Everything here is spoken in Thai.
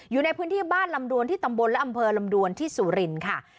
อยู่ในพื้นที่บ้านลำดวนที่ตำบลและอำเภอลำดวนที่สุรินทร์ค่ะ